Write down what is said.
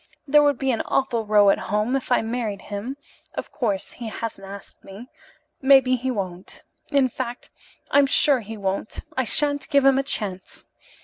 There would be an awful row at home if I married him. Of course, he hasn't asked me. Maybe he won't. In fact, I'm sure he won't. I shan't give him a chance.